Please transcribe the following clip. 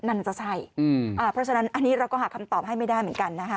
นั่นจะใช่เพราะฉะนั้นอันนี้เราก็หาคำตอบให้ไม่ได้เหมือนกันนะคะ